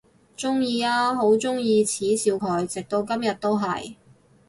鍾意啊，好鍾意恥笑佢，直到今日都係！